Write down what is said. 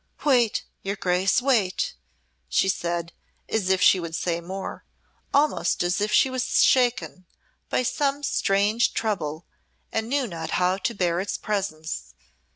"Wait, your Grace; wait!" she said, as if she would say more, almost as if she was shaken by some strange trouble and knew not how to bear its presence.